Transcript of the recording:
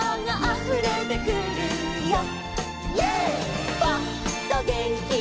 「あふれてくるよ」